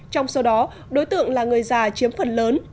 trong số đó đối tượng là người già chiếm phần lớn